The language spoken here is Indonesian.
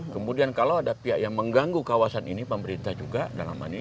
kemudian kalau ada pihak yang mengganggu kawasan ini pemerintah juga dalam hal ini